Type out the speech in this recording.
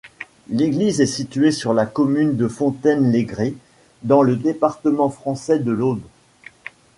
L'église est située sur la commune de Fontaine-les-Grès, dans le département français de l'Aube.